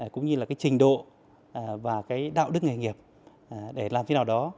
cũng như là trình độ và đạo đức nghề nghiệp để làm thế nào đó